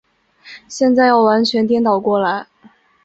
现在要完全颠倒过来。